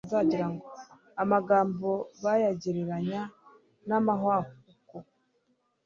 amagambo bayagereranya n'amahwakuko